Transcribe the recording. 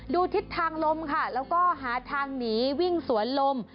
ทิศทางลมค่ะแล้วก็หาทางหนีวิ่งสวนลม